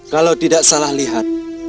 kalau tidak salah lihat